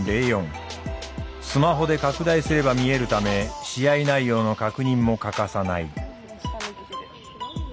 スマホで拡大すれば見えるため試合内容の確認も欠かさない。